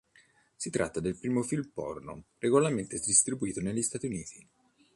Si tratta del primo film porno regolarmente distribuito negli Stati Uniti.